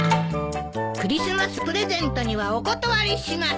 クリスマスプレゼントにはお断りします！